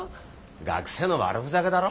学生の悪ふざけだろ。